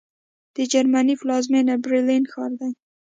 د جرمني پلازمېنه برلین ښار دی